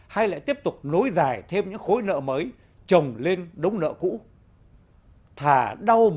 hay lại tiếp tục nối dài thêm những khối nợ mới trồng lên đống nợ cũ